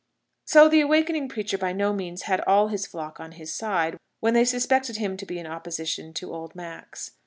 So the awakening preacher by no means had all his flock on his side, when they suspected him to be in opposition to old Max.